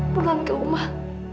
pulang ke rumah